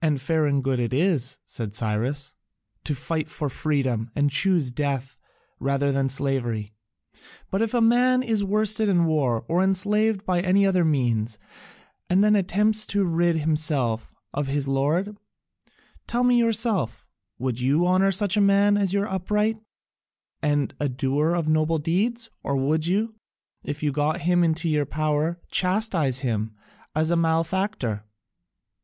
"And fair and good it is," said Cyrus, "to fight for freedom and choose death rather than slavery, but if a man is worsted in war or enslaved by any other means and then attempts to rid himself of his lord, tell me yourself, would you honour such a man as upright, and a doer of noble deeds, or would you, if you got him in your power, chastise him as a malefactor?"